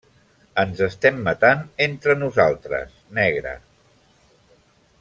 Ens estem matant entre nosaltres, negre.